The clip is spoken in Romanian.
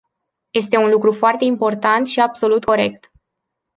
Este un lucru foarte important și absolut corect.